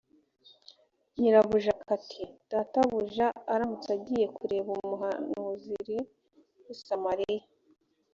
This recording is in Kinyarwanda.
nyirabuja kati databuja aramutse agiye kureba umuhanuzil w i samariya